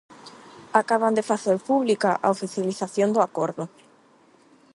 Acaban de facer pública a oficialización do acordo.